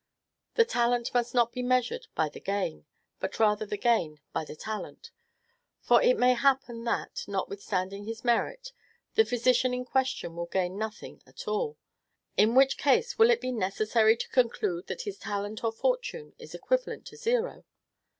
The talent must not be measured by the gain, but rather the gain by the talent; for it may happen, that, notwithstanding his merit, the physician in question will gain nothing at all, in which case will it be necessary to conclude that his talent or fortune is equivalent to zero?